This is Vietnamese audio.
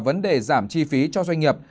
vấn đề giảm chi phí cho doanh nghiệp